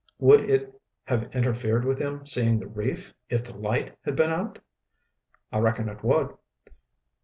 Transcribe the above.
"Would it have interfered with him seeing the reef if the light had been out?" "I reckon it would.